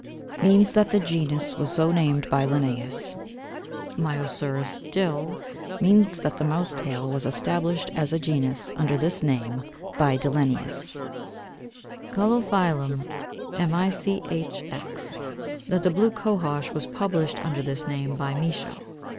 means that the genus was so named by Linnæus; "Myosurus, Dill.," that the Mouse tail was established as a genus under this name by Dillenius; Caulophyllum, Michx., that the Blue Cohosh was published under this name by Michaux.